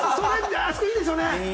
あそこいいですよね。